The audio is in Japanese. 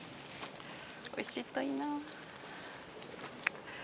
おいしいといいな。